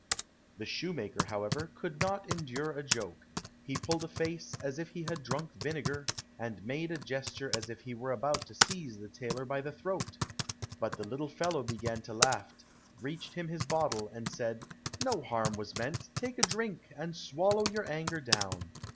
The shoemaker, however, could not endure a joke; he pulled a face as if he had drunk vinegar, and made a gesture as if he were about to seize the tailor by the throat. But the little fellow began to laugh, reached him his bottle, and said, "No harm was meant, take a drink, and swallow your anger down."